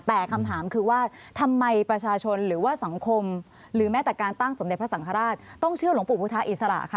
แต่คำถามคือว่าทำไมประชาชนหรือว่าสังคมหรือแม้แต่การตั้งสมเด็จพระสังฆราชต้องเชื่อหลวงปู่พุทธอิสระค่ะ